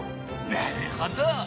なるほど。